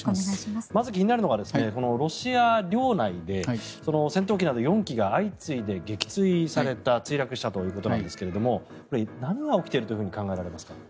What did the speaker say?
まず気になるのがロシア領内で戦闘機など４機が相次いで撃墜された墜落したということですが何が起きていると考えられますか。